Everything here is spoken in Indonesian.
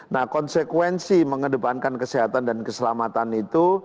nah konsekuensi mengedepankan kesehatan dan keselamatan itu